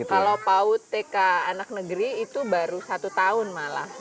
kalau paut tk anak negeri itu baru satu tahun malah